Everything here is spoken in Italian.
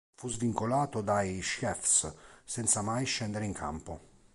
Fu svincolato dai Chiefs senza mai scendere in campo.